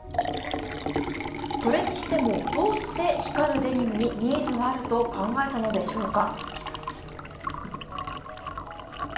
それにしても、どうして光るデニムにニーズがあると考えたのでしょうか？